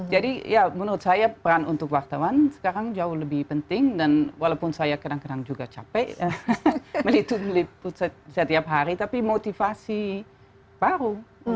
jadi ya menurut saya peran untuk wartawan sekarang jauh lebih penting dan walaupun saya kadang kadang juga capek meliput liput setiap hari tapi motivasi baru